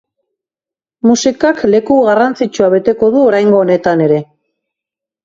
Musikak leku garrantzitsua beteko du oraingo honetan ere.